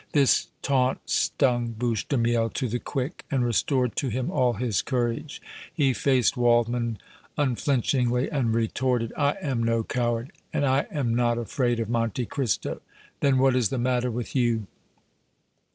This taunt stung Bouche de Miel to the quick and restored to him all his courage. He faced Waldmann unflinchingly and retorted: "I am no coward and I am not afraid of Monte Cristo!" "Then what is the matter with, you?"